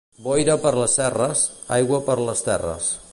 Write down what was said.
Boira per les serres, aigua per les terres.